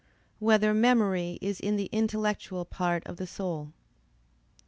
6] Whether Memory Is in the Intellectual Part of the Soul?